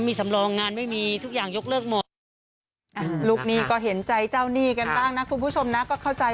กี่บาทอันนี้ไหวเนี่ยไม่หลายบาทอยู่ครับเพราะสะเก็บไฟ